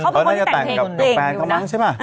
เขาเป็นคนที่แต่งเพลงเองดูนะ